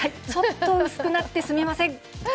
ちょっと薄くなってすみません。